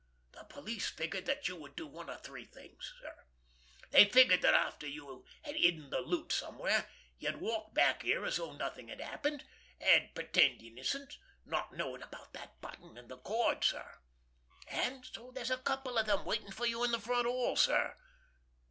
The police figured that you would do one of three things, sir. They figured that after you had hidden the loot somewhere, you would walk back here as though nothing had happened, and pretend innocence, not knowing about that button and the cord, sir; and so there's a couple of them waiting for you in the front hall, sir.